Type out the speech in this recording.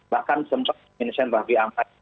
bahkan sempat minusen raffi amai